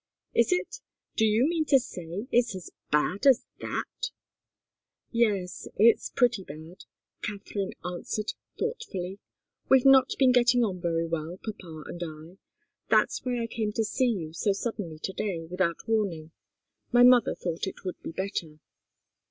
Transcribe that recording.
"Is it? Do you mean to say it's as bad as that?" "Yes it's pretty bad," Katharine answered, thoughtfully. "We've not been getting on very well, papa and I. That's why I came to you so suddenly to day, without warning. My mother thought it would be better."